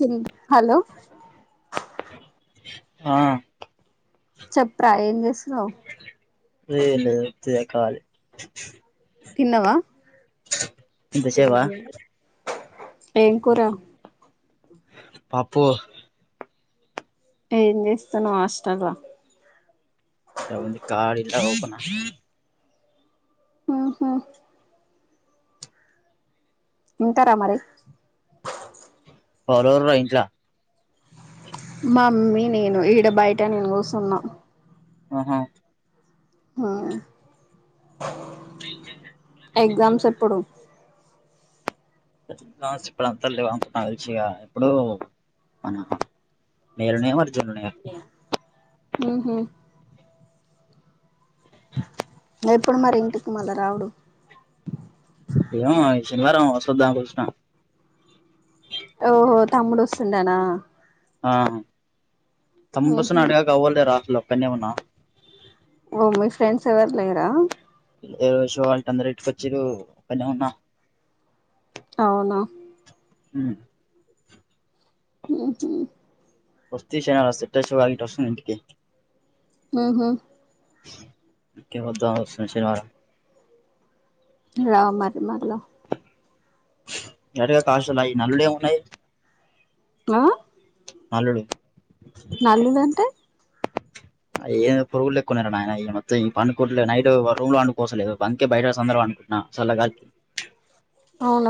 హ్మ్ హలో ఆ చెప్పరా ఏం చేస్తున్నావు ఏం లేదు ఇగ ఖాళీ తిన్నవా ఇంతసేపా [unintelligible] ఏం కూరా పాపు ఏం చేస్తాను హాస్టలా ఏవండీ కార్డు ఇట్లా ఓపన్ జీ ఆహా వింటారా మరి ఫరుయిట్లా మా మమ్మీ నేను ఈడ బయట నేను కూర్చున్నా ఆహా ఆ ఎగ్జామ్స్ ఎప్పుడు ఇప్పుడు అంతా అ కలిసిగా ఇప్పుడు మన నేరునే మ జుడి హ హ ఎప్పుడు మరి ఇంటికి మళా రావడు ఏయ్యో శనివారం అశోద్దా కృష్ణ ఓహో తమ్ముడు వస్తుందనా ఆ తం పసం ఉహు అడుగావ్వాలలే రాహల కన్యామన్నా ఓ మీ ఫ్రెండ్స్ ఎవరు లేరా ఏష వాళ్ అందరు ఇటుకొచ్చిరు కళ ఉన్నా అవునా హ ఆహ వస్తతిషనాల సట్షో వస్తు ఇంంటికకి ఆహా ఇకే వద్దాస్తు శవ రా మరి మరిలో ఎరక కాశలయి నల్ న ఆ నాలుడు నల్లులు అంటే ఏం పురుగులు లేక్కున్నన్నారు నాయన ఈ మొం పడుకోవలే నైట్ రూమ్ లో అండుకోసలేదు పంకే బయటందరనుకుంట నా చాలా కాకి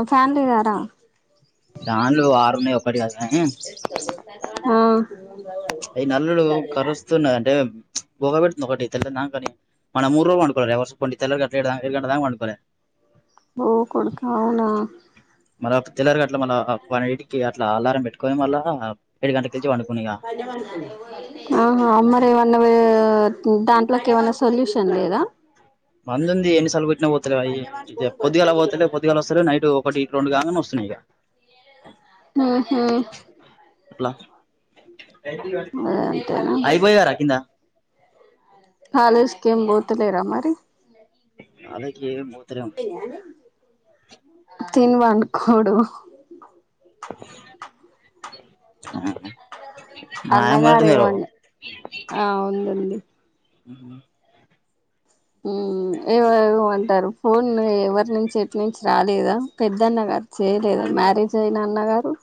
[unintelligible] దాన్లో ఓ ఆరున్నాయ్ ఓ పది కాదు కానీ ఆ ఈ నల్లులు కరుస్తున్నా అంటే గురక పెట్తుంది ఒకటే తెల్లారినా కాని మొన్న మూడు రోజులు పండుకోలే [unintelligible] తెల్లార గట్లా ఏడు గంటల దాకా పనుకోలే బో కొడుతే అవునా [unintelligible] అట్ల మన పన్నెండింటికి అట్లా అలా పెట్కో మళ్ ఏడు గంట కలించి పండుకునిక ఆహ అమ్మరి ఏమన్నా దాంట్లోకి ఏమన్నా సొల్యూషన్ లేదా వంద ఉంది ఎన్ని సార్లు పోతలే అ పద్దిగాలా పోతలే పద్గాల వస్తే నైట్ రొండు కాగానే వస్తున్నాయి ఆహా అట్లా అద అంత అయిపోయారా కింద కాలేజకిం పోతలేరా మరి అదకే అయిపోనయ అండి తిని పనుకోడు మా నాయనమ్మ అంటున్నారు అన్నగారేమని ఆ ఉంది ఉంది ఆ ఏవేవో అంటారు ఫోన్ ఎవరి నుంచి ఎటు నుంచి రాలేదా పెద్దన్న గారు చేయలేదా మ్యారేజ్ అయిన అన్నగారు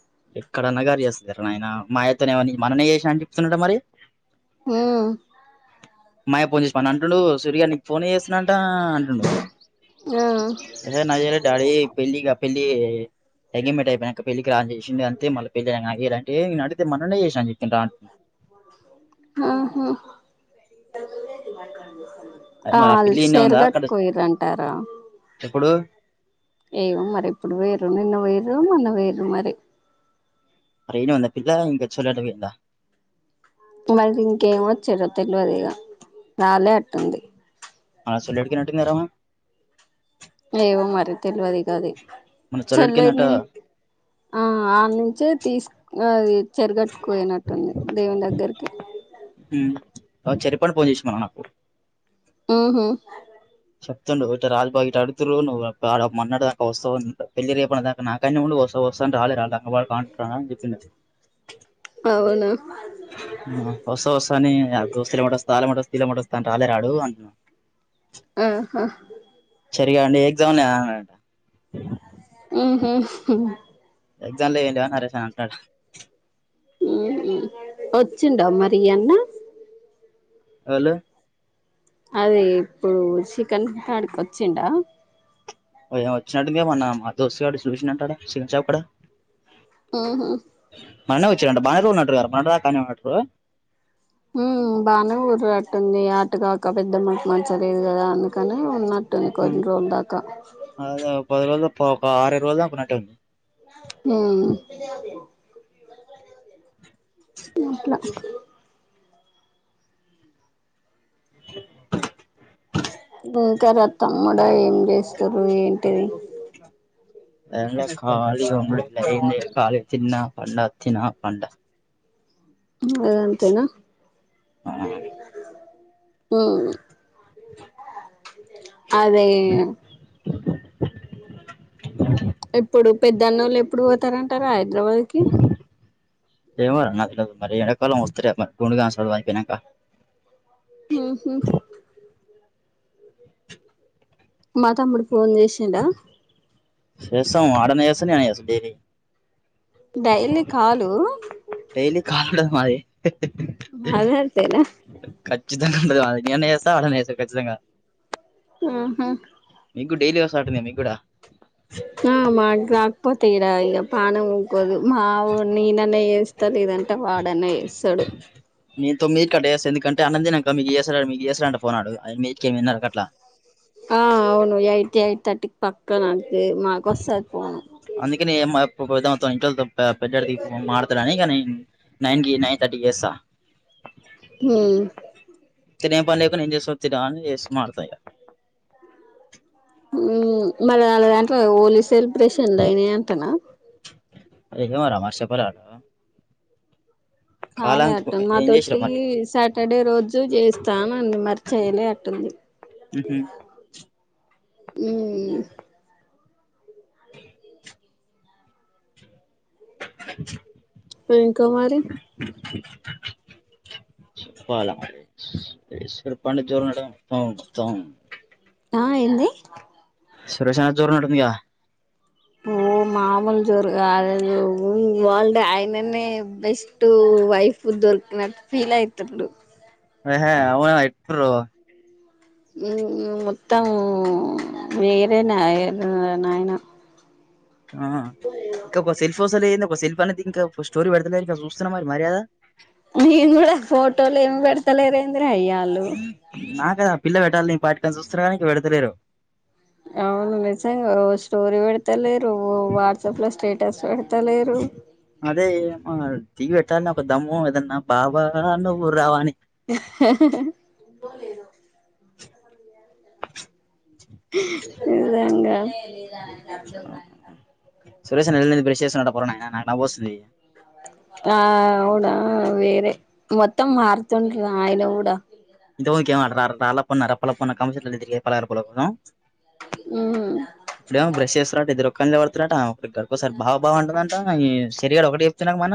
ఎక్కడన్నా గారు చేస్తరు ఆయన మాయతోనే మన్ననే చేసిన అని చెపుతున్నాడు మరి మ్మ్ మా అయ్యా ఫోన్ చేసిన అంటుండు సూరియగ నీకు ఫోన్ చేస్తున్నా అంటుండు ఆ పెళ్లి ఎంగేమెంట్ అయిపోయినాక పెళ్లికి రాండి అంతే మళ్ళ పెళ్లి ఇలా అడిగితే మన్ననే చేసాను అని చెప్పిండ్రా ఆహా అదే మరి ఆ పిల్ల ఈడనే ఉందా సేర్గట్ అక్కడ కోయరంటారా ఇప్పుడు ఏమో మరి ఇప్పుడు వేరు నిన్న వేరు మొన్న వేరు మరి ఇన్నే ఉంద పిల్ల ఇం చల్డం వందా తెలవదు ఇగా నాలే అట్టుంది అసలు ఏటికన్నట్టు విరమ ఏమో మరి తెలివదు ఇగ అది మన చోలేటికి చల్లటి ఏందంట ను ఆ వాళ్ళ నుంచే తీసు అదే చెరిగట్టుకోయనట్టుంది దేవుని దగ్గరికి అ చెరిప్పడి పోన్ చేసినాడు నాకు మ్మ్ హ్మ్ చెప్తుండు ఇటు రాజ బాగ్ ఇటు అడుగుతుండ్రు నువ్వు ఒక మన్నాడు దాకా వస్తావు పెళ్ళి రేపన దాకా నాకనే ఉండు వస్త వస్తాని రానే రాల వాళ్ళు బాగుండ్ర అని చెప్పిండట అవునా వస్తా వస్తా అని దోస్తలు ఎమ్మట వాస్త వల్ల ఎమ్మట వాస్త వీళ్ళ మట వస్తాను రానే రాడు అంట ఆహా సరిగా అండి ఎగ్జామ్ న మ్మ్ హ్మ్ హు ఎగ్జామ్లో ఏంటివి అని నరేష్ అంటన్నాడు మ్మ్ హ్మ్ వచ్చిండ మరి అన్న హలో అదే ఇప్పుడు చికెన్ కాడికి వచ్చిండా ఏమో వచ్చినట్టు ఉందిగా మొన్న మా దోస్తుగాడు చూసిండంట ఆడ చికెన్ షాప్ కాడ మ్ హ్ మొన్ననే వచ్చిండంట బన ఉన్నటురు మన [inaudible] హ్ బానే ఊర అట్టు ఉంది అటుగాక పెద్దమ్మకు మంచిగా లేదా అన్న అక్కనే ఉన్నట్టుంది అదే కొన్ని రోజుల్ దాకా ఒక పది రోజులు ఒక ఆరై ఐదు రోజులు దాకా ఉన్నట్టుంది. మ్ మట్లా ఉ కరబ్ తమ్ముడా ఏం చేస్తున్రు ఏంటిది. ఏం లే కాలిగా ఉన్న ఏం లే కాలి తిన్న. పండ అచ్చిన పండ అదంతేనా ఆ మ్ అదే ఎప్పుడు పెద్దన్నోళ్ళు ఎప్పుడు పోతారంటరా హైదరాబాద్కి ఏమో నాక్ మరి ఎండాకాలం వస్తారేమో గుండుగాని చదువు అయిపోయినాక మ్ హ్ మా తమ్ముడు ఫోన్ చేసిండా చేస్తం వాడ్ అన్న చేస్తాడు నేనన్న చేస్తా డైలీ డైలీ కాలు కదా మరి అదంతేనా కచ్చితంగా ఉండదు నేనన్న చేస్తా వాడన్న చేస్తాడు కచ్చితంగా ఆహ మీకు కూడా డైలీ వస్తంటయ్ మీకు గుడా ఆ మాక్ రక్పోతే ఈడ ఇగ పానం ఊకోదు. మా అవ్వో నేనన్న చేస్తా లేదంటే వాడన్న చేస్తాడు మీతో మీరు కట్ చేస్తా ఎందుకంటే అన్నం తిన్నంక మీక్ చేస్తాడట మీక్ చేస్తారట ఫోన్ అడుగు ఎనిమిదింటికి ఎనిమిదిన్నర అట్లా ఆ అవును ఎయిట్ ఎయిట్ థర్టీకి పక్క నా అందుకని ఏం ఇంట్లోళ తోని పెద్దడిది మాట్లాడుతడని ఇగ నేన్ నైన్కి నైన్ తర్టీ చేస్తా హ తినే పనేకు నింజే వతిరా అ ఏస్ మతా [unintelligible] హు మళ్ళ అల్లదంట హోలీ సెలబ్రేషన్ ఆయిని అంటనా ఏమో రా చెప్పాలే అల్లు కాలే అటుంది ఏం చేసిరా మాతోటి మరి సాటర్డే రోజు చేస్తాను అండి మరి చేయలే అటుంది ఉహు. హు ఇంకామరి చెప్పాలా ఈసారి పండగ చేరిందటగా మరి ఇంకా మొత్తం ఆ ఎంది సురేష్ అన్నది జోరున్నట్టు ఉందిగా ఓ మామూలు జోరు కాదు ఉ వరల్డ్ ఆయననే బెస్ట్ వైఫ్ దొరికినట్టు ఫీల్ అయితుప్పుడు ఎహే అవునా ఎప్పుడు మొత్తం వేరే నాయె నాయన ఆహా ఇంకాప్ప శల్ సురేష్ అన్న ఏంది ఒక శిల్ప అనేది ఇంకా స్టోరీ పెడతలే ఇ చూస్తు మరి మర్యాద నేను కూడా ఫోటోలు ఏమి పెడతలేరేం అందరే అయ్యాలు కదా ఆ పిల్ల పెట్టాలి నీ పాటికని చూస్తున్నా కా పెడతలేరు అవును మెసేజ్ ఎవరు స్టోరి వెడతలెర్ ఓ వాట్సాప్ లో స్టేటస్ పెడతలేరు టీ వెట్టా అ దమ్మం ఏదన్నా బాబా ఊర్ రావాణి ఇలాంగా మ సురేష్ అన్న నెల బ్రష్ చేస్తున్నడట పోరా నాయనా నాకు నవ్వొస్తుంది ఆ అవుడా వేరే మొత్తం మారుతుండ ఆయన కూడా ర అలా పన్న రప్పలా ప కౌన్ పలా ప [unintelligible] ఉ ఎద్దరు క పడుతున్న ఒక గడుకోసారి బావ బావ ఉంటుందంటారగా ఒకటి చెప్తున్నా మన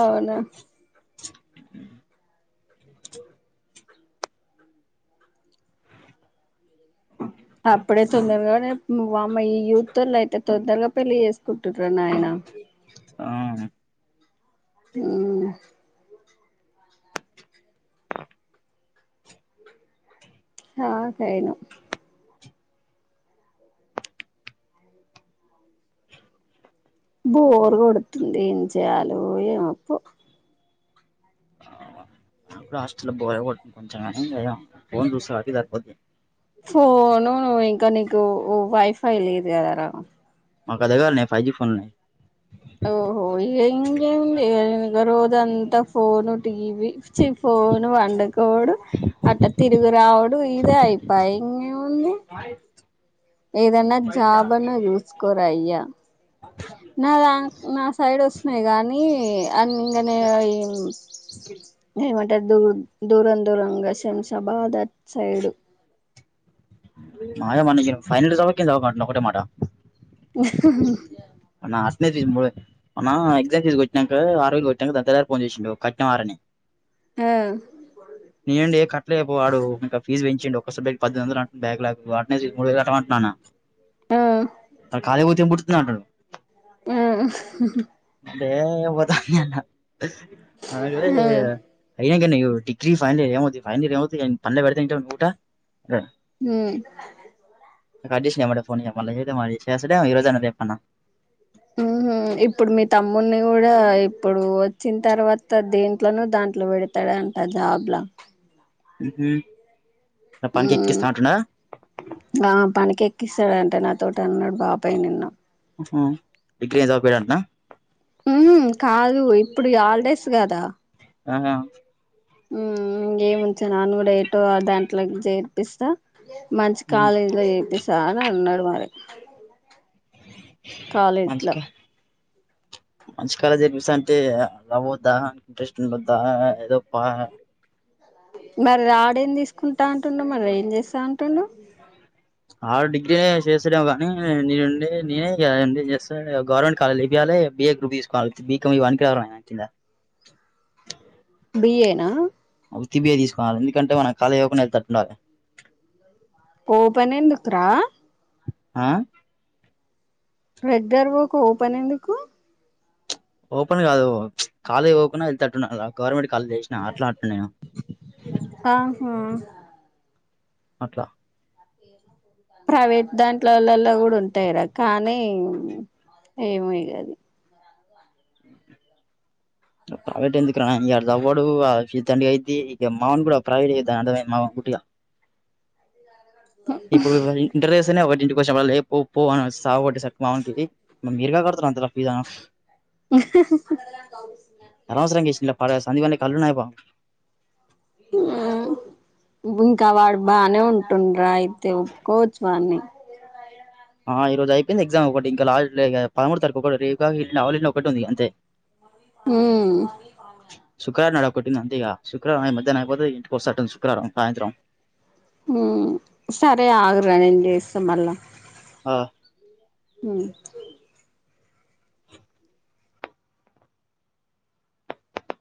అవునా ఆ అప్పుడే తొందరగానే వమ్మ ఈ యూతులో అయితే తొందరగా పెళ్లి చేస్త కుట్టన్నాయనా ఆ హ్ హా కెయాను బోరు కొడుతుంది. ఏం చేయాలో ఏమో పో ఎప్పుడు హాస్టల్లో బోరే కొడుతుంది. కొంచెం గానీ ఫోన్ చూస్త ఆది సరిపోద్ది. ఫోను ఇంకా నీకు వైఫై లేదు గాదార మాకు అదే గాదాన్నే ఫైవ్ జీ ఫోనులున్నాయి. ఓహో ఇగ ఇంగేముంది. [unintelligible] గంతా ఫోను టీవి చ్చి ఫోన్ వండుకోవడు అట్ట తిరుగు రావుడు. ఈ ఇదే అయిపాయి ఇంగే ఏదన్నా జాబ్ అన్నా చూసుకోరా అయ్యా నా నా సైడ్ వస్తున్నాయి కానీ అ ఇంగా నే ఏమ దూ దూరం దూరంగా శంషాబాద్ అటు సైడు మా అయ్య మొన్న ఫైనల్ [unintelligible] ఒకటే మాట. హ్ హ్ [unintelligible] మొన్న ఎక్సమ్ ఫీస్ కొట్టినంకా ఆరు వేలు కోట్టినంకా దాని తర్వాత ఫోన్ చేసిండు కట్టినా వారా అని. ఆ నేను డే కట్. రేపు వాడు ఇంకా ఫీజ్ పెంచిండు. [unintelligible] బ్యాక్ పద్దెనిమిది వందలు అంటుడు బ్యాక్ లాగ్ [unintelligible] మూడు వేలు కట్టా మంటుడు అన్న ఆ ఆ కాలేజ్ కి పోతే ఏం పుడ్ [unintelligible] అంటడు. హ్ అదే పోతా అన్న నాన్నకు ఆ తెలువదిగా ఏం ఇంకేన్ని నువు డిగ్రీ ఫైనాల్ ఇయర్ ఏం వాద్దు ఫైనాల్ ఇయర్ ఏం వాద్దు పనిలో పెడితేనే వింటావు నువ్వు గిట్ల హ్ కట్ చేసిండు ఏమ్మటే మళ్ళా చేయలే చేస్తా డేమో ఈ రోజు అన్న రేపు అన్న హ్ హ్ ఇప్పుడు మీ తమ్మున్నీ కూడా ఇప్పుడు వచ్చిన తర్వాత దీంట్లోన దాంట్లో పెడతాడు అంటా జాబ్ లా. హు హు. హ్మ్ ఆ పనికే ఎక్కి క్కిస్తాడంట నా తోటి అన్నాడు బాబాయ్ నిన్న. హ్ హ్ డిగ్రీ ఏం చదువుపియడంటానా. హ్ కాదు ఇప్పుడు హాలిడేస్ గాదా ఆహా. హ్మ్ ఇంకేముంచాను అన్ని కూడా ఏటో దాంట్లకి చేర్పిస్తా. మంచి ఉహు కాలేజీ లో చేపిస్త. చానా అన్నాడు మరి. కాలే ఇట్లా మంచిగా మంచి కాలేజ్ చేర్పిస్తా అంటే ఆ వద్దా ఇంట్రెస్ట్ ఉండొద్దా ఏదో పా. మరి రాడేం తీసుకుంటా అంటుండు మరి ఏం చేస్తా అంటుండు. ఆ డిగ్రీ చేస్తాడేమో కానీ నేనుండి నేనే గవర్నమెంట్ కాలేజ్ ఎపియాలి బిఏ గ్రూప్ తీసుకోవాలి బికామ్ ఇవన్నీ పనికిరావు రా వాని కింద. బి ఏ నా. ఉత్తి బి ఏ తీసుకువాలి ఎందుకంటే మనం కాలేజ్ ఓపెన్ ఐతట్టు ఉండాలి. ఓపెన్ ఎందుకు రా. ఆ బెడ్డరకు ఓపెన్ ఎందుకు. ఓపన్ కాదు కాలేజ్ ఓపెన్ అయితట్టు ఉండాలి గవర్నమెంట్. కళ్ళు చేసినా అట్లా అంటునేనా ఆహా అట్లా. ప్రైవేట్ దాంట్లోలలో కూడా ఉంటాయిరా కానీ ఏమో ఇగ అది. ప్రైవేట్ ఎందుకు రా ఇగ ఆడు చదువుడు ఆ ఫీజ్ దండుగాయితాది మా వోడుగూడ ప్రైవేట్ చేయోదు అన్ని అర్ధం అయింది. ఇప్పుడు ఈ ఇంటర్ చేస్తేనే ఒకటంటే పోషవ్వ లే పో పో అని సాగొట్టేసరికి మా ఓనికి మ మీరుగా కడతారు అంత ఫీజ సందిగానే కళ్ళున్నాయయిబ ఇంకా వాడు బానే ఉంటుండ్రా అయితే ఒప్పుకోవచ్చు వాన్ని ఆ ఈ రోజు అయిపోయింది ఎగ్జామ్ ఒకటి ఇం లా పదమూడు తారీకు ఒకటి రేపు కాక ఎల్లుండి ఒకటి ఉంది అంతే హ్మ్ శుక్రవారం నాడు ఒకటి ఉంది అందే ఇగ శుక్రవారం అయి మధ్యానం ఐపోతే ఇగ ఇంటి కోస్తాటు శుక్రవారం సాయంత్రం సరే ఆగరా నేను చేస్తా మళ్ళా ఆ హ్మ్మ్